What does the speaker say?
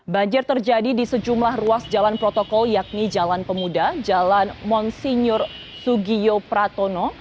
banjir terjadi di sejumlah ruas jalan protokol yakni jalan pemuda jalan monsinyur sugiyo pratono